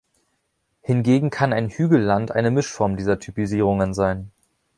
Hingegen kann ein Hügelland eine Mischform dieser Typisierungen sein.